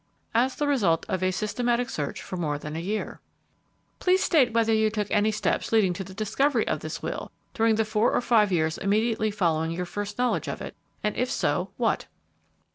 "As the result of a systematic search for more than a year." "Please state whether you took any steps leading to the discovery of this will during the four or five years immediately following your first knowledge of it; and if so, what?"